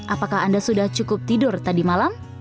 apakah anda sudah cukup tidur tadi malam